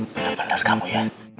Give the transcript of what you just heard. bener bener kamu ya